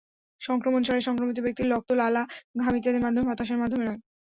সংক্রমণ ছড়ায় সংক্রমিত ব্যক্তির রক্ত, লালা, ঘাম ইত্যাদির মাধ্যমে, বাতাসের মাধ্যমে নয়।